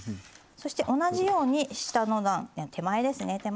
そして同じように下の段手前ですね